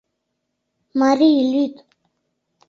«Марий, лӱд!